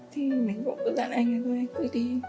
thì mình cũng cứ dặn anh là thôi anh cứ đi